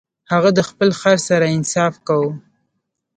هغه د خپل خر سره انصاف کاوه.